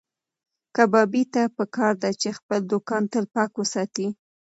کبابي ته پکار ده چې خپل دوکان تل پاک وساتي.